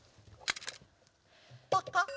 パカッ。